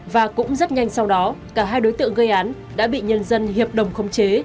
và cũng rất nhanh sau đó cả hai đối tượng gây án đã bị nhân dân hiệp đồng không chế